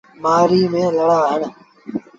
مهآريٚ ميݩ لڙآ ٻڌ۔